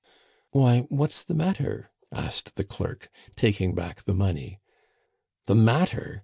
"Why, what's the matter?" asked the clerk, taking back the money. "The matter!